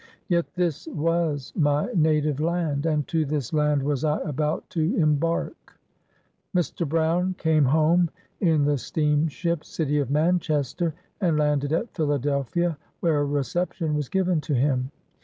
Yet this was my native land, and to this land was I about to embark." 102 BIOGRAPHY OP Mr. Brown came home in the steamship " City of Manchester," and landed at Philadelphia, where a re ception was given to him.